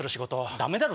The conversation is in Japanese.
ダメだろ！